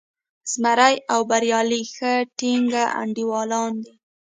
زمری او بریالی ښه ټینګ انډیوالان دي.